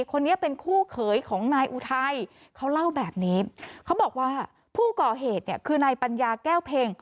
คนนี้เป็นคู่เขยของนายอุทัยเขาเล่าแบบนี้เขาบอกว่าผู้ก่อเหตุเนี่ยคือนายปัญญาแก้วเพ็ง